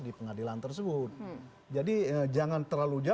tidak seperti itu